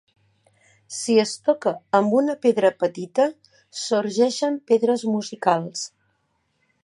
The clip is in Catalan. Si es toca amb una pedra petita, sorgeixen pedres musicals.